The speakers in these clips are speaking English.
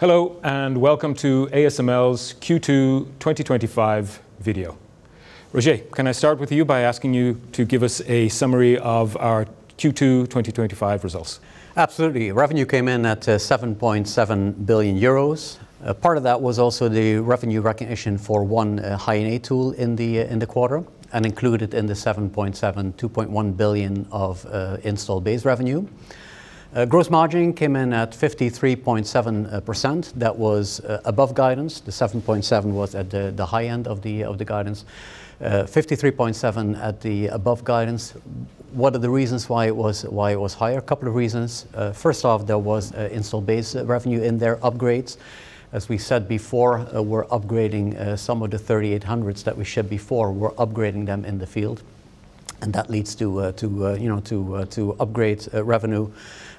Hello, welcome to ASML's Q2 2025 video. Roger, can I start with you by asking you to give us a summary of our Q2 2025 results? Absolutely. Revenue came in at 7.7 billion euros. A part of that was also the revenue recognition for one High-NA tool in the quarter and included in the 7.7, 2.1 billion of installed base revenue. Gross margin came in at 53.7%. That was above guidance. The 7.7 was at the high end of the guidance, 53.7 at the above guidance. What are the reasons why it was higher? A couple of reasons. First off, there was installed base revenue in there, upgrades. As we said before, we're upgrading some of the 3800s that we shipped before. We're upgrading them in the field, and that leads to, you know, to upgrade revenue,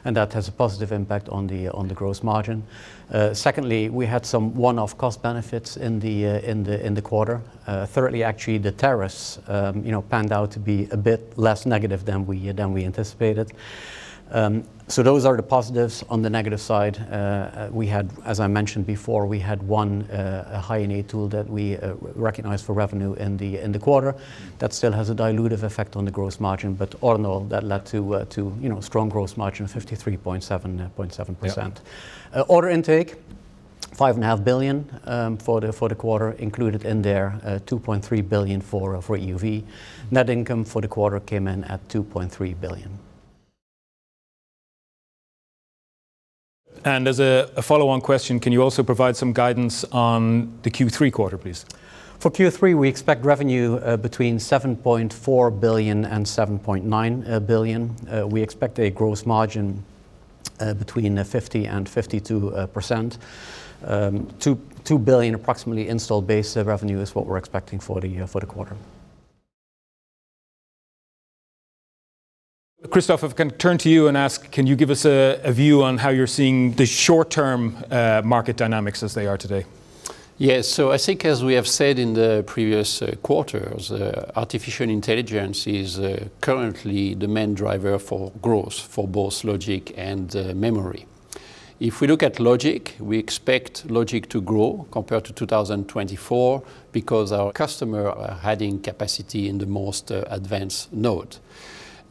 and that has a positive impact on the gross margin. Secondly, we had some one-off cost benefits in the quarter. Thirdly, actually, the tariffs, you know, panned out to be a bit less negative than we anticipated. Those are the positives. On the negative side, as I mentioned before, we had one High-NA tool that we recognized for revenue in the quarter that still has a dilutive effect on the gross margin. All in all, that led to, you know, strong gross margin of 53.7%. Yeah. Order intake, 5.5 billion for the quarter, included in there 2.3 billion for EUV. Net income for the quarter came in at 2.3 billion. As a follow-on question, can you also provide some guidance on the Q3 quarter, please? For Q3, we expect revenue, between 7.4 billion and 7.9 billion. We expect a gross margin, between 50% and 52%. 2 billion approximately installed base revenue is what we're expecting for the year, for the quarter. Christophe, if I can turn to you and ask, can you give us a view on how you're seeing the short-term market dynamics as they are today? Yes. I think as we have said in the previous quarters, artificial intelligence is currently the main driver for growth for both logic and memory. If we look at logic, we expect logic to grow compared to 2024 because our customer are adding capacity in the most advanced node.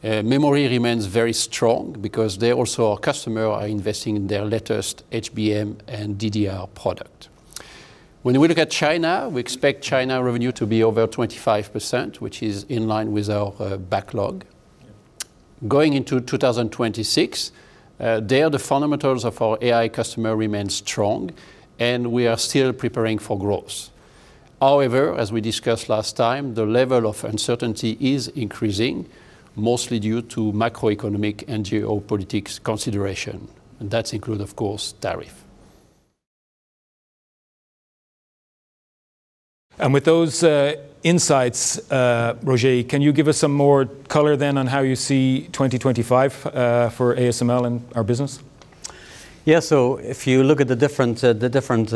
Memory remains very strong because they also our customer are investing in their latest HBM and DDR product. When we look at China, we expect China revenue to be over 25%, which is in line with our backlog. Going into 2026, there the fundamentals of our AI customer remains strong, and we are still preparing for growth. However, as we discussed last time, the level of uncertainty is increasing, mostly due to macroeconomic and geopolitics consideration, and that include, of course, tariff. With those insights, Roger, can you give us some more color then on how you see 2025 for ASML and our business? Yeah. If you look at the different, the different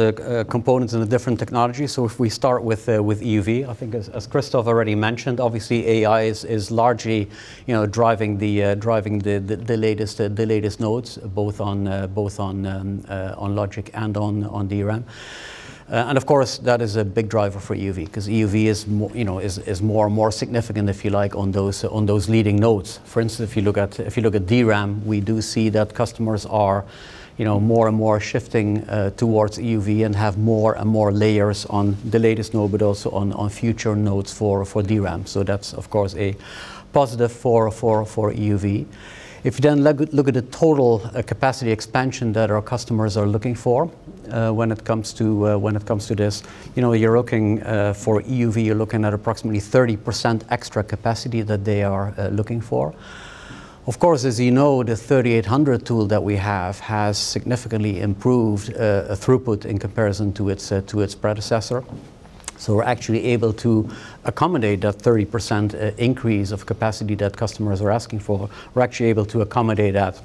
components and the different technologies, if we start with EUV, I think as Christophe already mentioned, obviously AI is largely, you know, driving the latest, the latest nodes, both on logic and on DRAM. And of course, that is a big driver for EUV because EUV is more, you know, is more and more significant, if you like, on those, on those leading nodes. For instance, if you look at DRAM, we do see that customers are, you know, more and more shifting towards EUV and have more and more layers on the latest node, but also on future nodes for DRAM. That's of course a positive for EUV. You then look at the total capacity expansion that our customers are looking for, when it comes to this, you know, you're looking for EUV, you're looking at approximately 30% extra capacity that they are looking for. Of course, as you know, the 3800 tool that we have has significantly improved throughput in comparison to its predecessor. We're actually able to accommodate that 30% increase of capacity that customers are asking for. We're actually able to accommodate that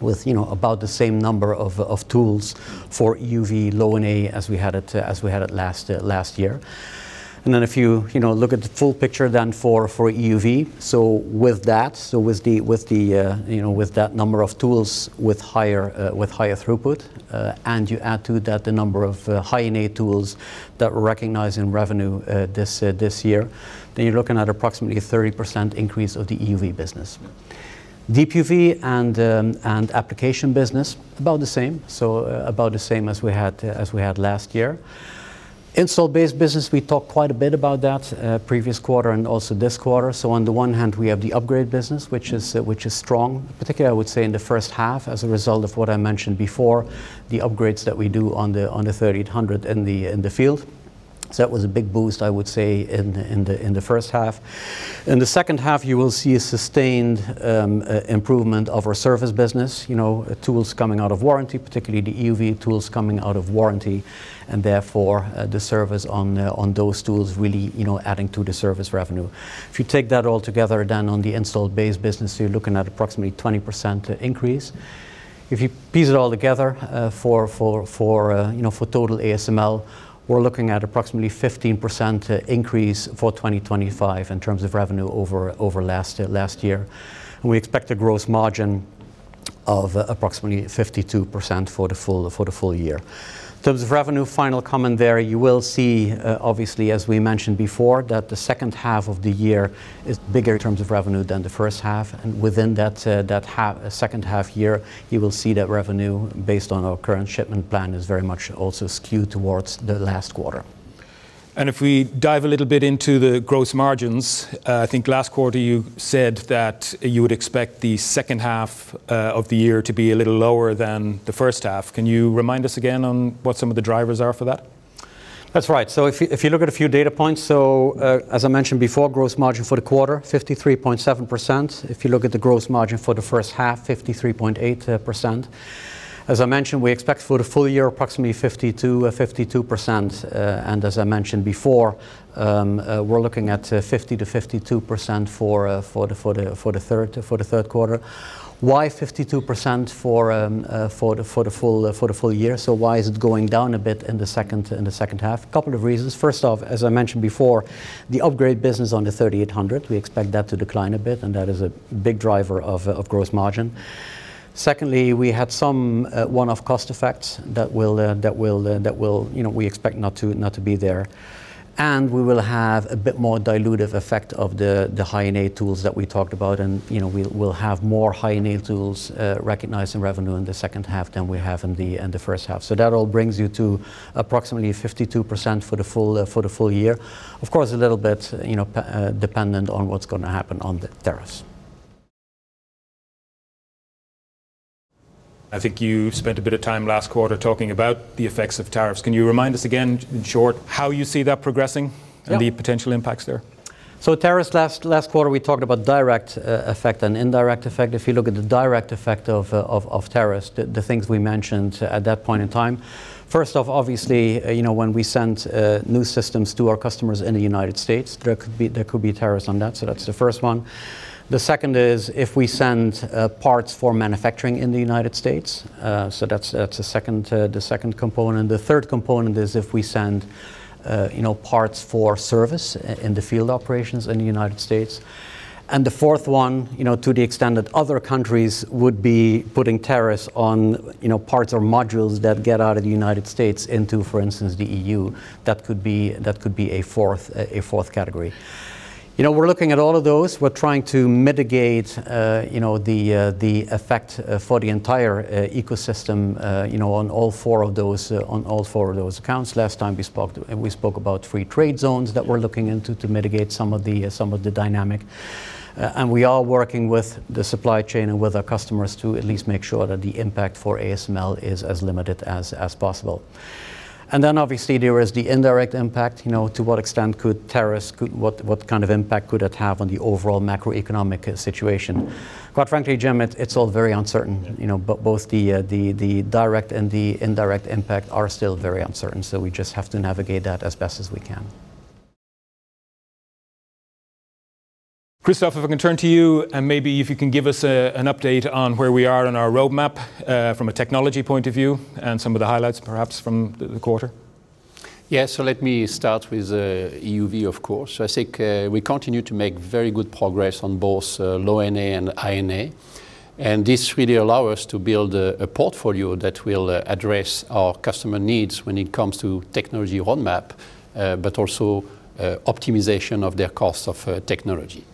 with, you know, about the same number of tools for EUV Low-NA as we had at last year. If you look at the full picture then for EUV, with that number of tools with higher throughput, and you add to that the number of High-NA tools that we're recognizing revenue this year, then you're looking at approximately a 30% increase of the EUV business. DUV and application business, about the same as we had last year. Install base business, we talked quite a bit about that previous quarter and also this quarter. On the one hand, we have the upgrade business, which is strong, particularly I would say in the first half as a result of what I mentioned before, the upgrades that we do on the 3800 in the field. That was a big boost, I would say, in the first half. In the second half, you will see a sustained improvement of our service business, you know, tools coming out of warranty, particularly the EUV tools coming out of warranty, and therefore, the service on those tools really, you know, adding to the service revenue. If you take that all together on the installed base business, you're looking at approximately 20% increase. If you piece it all together, you know, for total ASML, we're looking at approximately 15% increase for 2025 in terms of revenue over last year. We expect a gross margin of approximately 52% for the full year. In terms of revenue, final comment there, you will see, obviously as we mentioned before, that the second half of the year is bigger in terms of revenue than the first half, and within that second half year, you will see that revenue based on our current shipment plan is very much also skewed towards the last quarter. If we dive a little bit into the gross margins, I think last quarter you said that you would expect the second half of the year to be a little lower than the first half. Can you remind us again on what some of the drivers are for that? That's right. If you look at a few data points, as I mentioned before, gross margin for the quarter, 53.7%. If you look at the gross margin for the first half, 53.8%. As I mentioned, we expect for the full year approximately 52%. As I mentioned before, we're looking at 50%-52% for the third quarter. Why 52% for the full year? Why is it going down a bit in the second half? A couple of reasons. As I mentioned before, the upgrade business on the NXE:3800, we expect that to decline a bit, and that is a big driver of gross margin. We had some one-off cost effects that will, you know, we expect not to be there. We will have a bit more dilutive effect of the High-NA tools that we talked about and, you know, we'll have more High-NA tools recognized in revenue in the second half than we have in the first half. That all brings you to approximately 52% for the full year. Of course, a little bit, you know, dependent on what's gonna happen on the tariffs. I think you spent a bit of time last quarter talking about the effects of tariffs. Can you remind us again, in short, how you see that progressing? Yeah The potential impacts there? Tariffs, last quarter we talked about direct effect and indirect effect. If you look at the direct effect of tariffs, the things we mentioned at that point in time. First off, obviously, you know, when we send new systems to our customers in the United States, there could be tariffs on that, so that's the first one. The second is if we send parts for manufacturing in the United States, so that's the second component. The third component is if we send, you know, parts for service in the field operations in the United States. The fourth one, you know, to the extent that other countries would be putting tariffs on, you know, parts or modules that get out of the United States into, for instance, the EU, that could be a fourth category. You know, we're looking at all of those. We're trying to mitigate, you know, the effect for the entire ecosystem, you know, on all four of those accounts. Last time we spoke, we spoke about free trade zones that we're looking into to mitigate some of the dynamic. We are working with the supply chain and with our customers to at least make sure that the impact for ASML is as limited as possible. Obviously there is the indirect impact, you know, to what extent could tariffs, what kind of impact could it have on the overall macroeconomic situation? Quite frankly, Jim, it's all very uncertain. You know, both the direct and the indirect impact are still very uncertain, so we just have to navigate that as best as we can. Christophe, if I can turn to you, maybe if you can give us an update on where we are in our roadmap, from a technology point of view, some of the highlights perhaps from the quarter. Yeah. Let me start with EUV, of course. I think, we continue to make very good progress on both Low-NA and High-NA. This really allow us to build a portfolio that will address our customer needs when it comes to technology roadmap, but also, optimization of their cost of technology.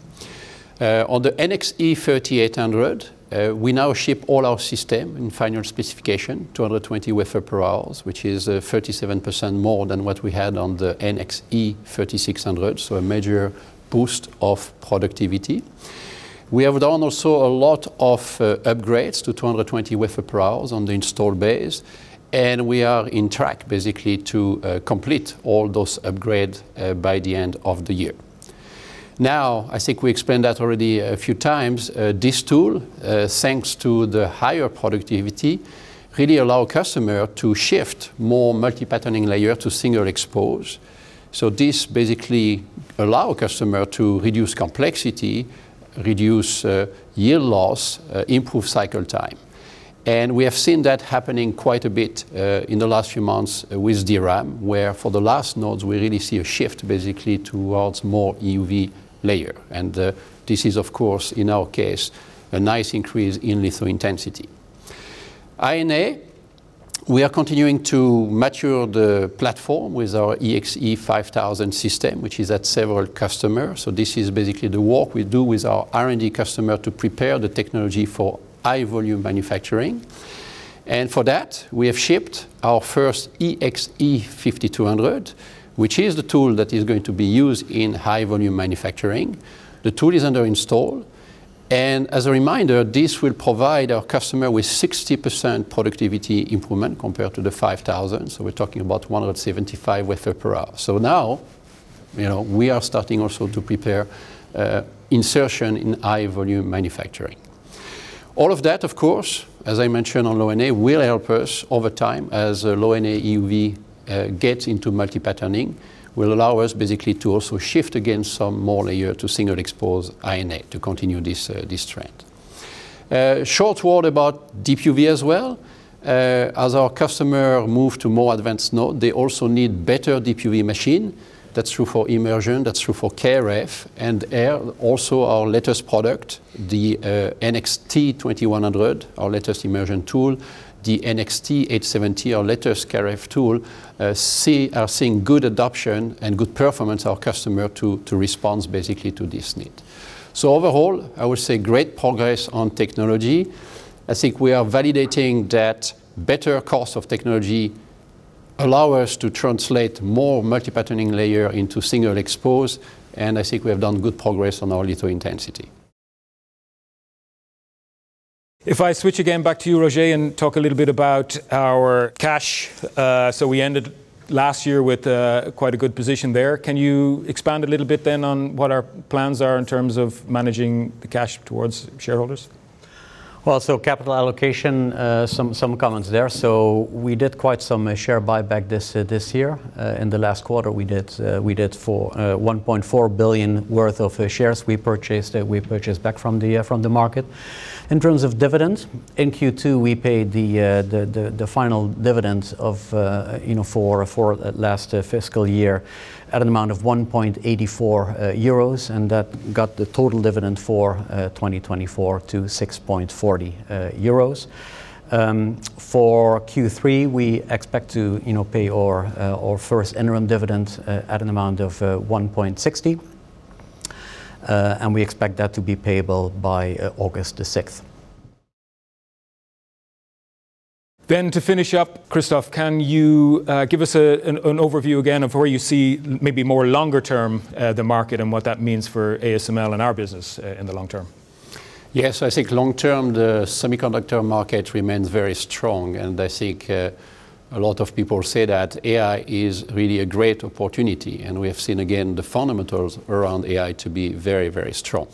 On the NXE:3800, we now ship all our system in final specification, 220 wafer per hours, which is 37% more than what we had on the NXE:3600, so a major boost of productivity. We have done also a lot of upgrades to 220 wafer per hours on the install base, and we are in track basically to complete all those upgrade by the end of the year. I think we explained that already a few times. This tool, thanks to the higher productivity, really allow customer to shift more multi-patterning layer to single exposure. This basically allow a customer to reduce complexity, reduce yield loss, improve cycle time. We have seen that happening quite a bit in the last few months with DRAM, where for the last nodes we really see a shift basically towards more EUV layer. This is of course in our case a nice increase in litho intensity. High-NA, we are continuing to mature the platform with our EXE 5000 system, which is at several customers, so this is basically the work we do with our R&D customer to prepare the technology for high-volume manufacturing. For that, we have shipped our first EXE 5200, which is the tool that is going to be used in high-volume manufacturing. The tool is under install. As a reminder, this will provide our customer with 60% productivity improvement compared to the 5000, so we're talking about 175 wafer per hour. Now, you know, we are starting also to prepare insertion in high-volume manufacturing. All of that of course, as I mentioned on Low-NA, will help us over time as Low-NA EUV gets into multi-patterning, will allow us basically to also shift again some more layer to single expose High-NA to continue this trend. Short word about Deep UV as well. As our customer move to more advanced node, they also need better DUV machine. That's true for immersion, that's true for KrF, and ArF, also our latest product, the NXT 2100, our latest immersion tool, the NXT870, our latest KrF tool, are seeing good adoption and good performance our customer to response basically to this need. Overall, I would say great progress on technology. I think we are validating that better cost of technology allow us to translate more multi-patterning layer into single exposure, I think we have done good progress on our litho intensity. If I switch again back to you, Roger, and talk a little bit about our cash, so we ended last year with quite a good position there. Can you expand a little bit then on what our plans are in terms of managing the cash towards shareholders? Capital allocation, some comments there. We did quite some share buyback this year. In the last quarter, we did 1.4 billion worth of shares we purchased back from the market. In terms of dividends, in Q2, we paid the final dividends of, you know, for last fiscal year at an amount of 1.84 euros, and that got the total dividend for 2024 to 6.40 euros. For Q3, we expect to, you know, pay our first interim dividend at an amount of 1.60. We expect that to be payable by August 6th. To finish up, Christophe, can you give us an overview again of where you see maybe more longer term, the market and what that means for ASML and our business in the long term? Yes. I think long term, the semiconductor market remains very strong, and I think a lot of people say that AI is really a great opportunity, and we have seen again the fundamentals around AI to be very, very strong.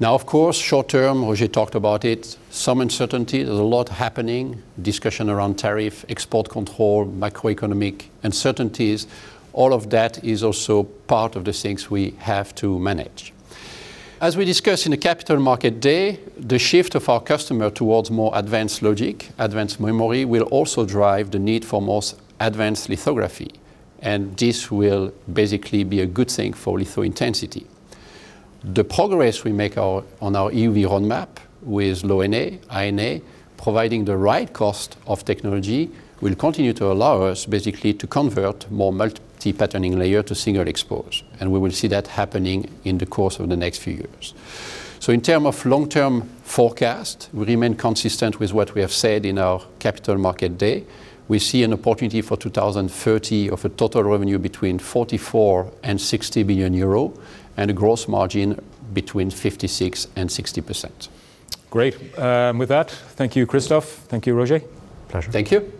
Now, of course, short term, Roger talked about it, some uncertainty. There's a lot happening, discussion around tariff, export control, macroeconomic uncertainties. All of that is also part of the things we have to manage. As we discussed in the Capital Markets Day, the shift of our customer towards more advanced logic, advanced memory, will also drive the need for more advanced lithography, and this will basically be a good thing for litho intensity. The progress we make on our EUV roadmap with Low-NA, High-NA, providing the right cost of technology will continue to allow us basically to convert more multi-patterning layer to single exposure, and we will see that happening in the course of the next few years. In terms of long-term forecast, we remain consistent with what we have said in our Capital Markets Day. We see an opportunity for 2030 of a total revenue between 44 billion and 60 billion euro and a gross margin between 56% and 60%. Great. With that, thank you, Christophe. Thank you, Roger. Pleasure. Thank you.